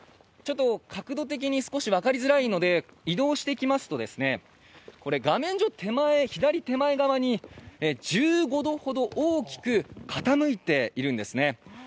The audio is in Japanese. ちょっと角度的に少し分かりづらいので移動していきますと、画面、左手前側に１５度ほど大きく傾いているんですね。